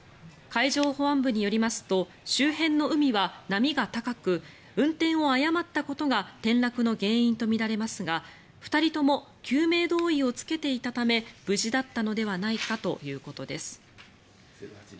海上保安部によりますと周辺の海は波が高く運転を誤ったことが転落の原因とみられますが２人とも救命胴衣を着けていたため無事だったのではないかということです。